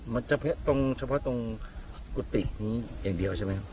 มันจะตรงเฉพาะตรงกุฏินี้อย่างเดียวใช่ไหมครับ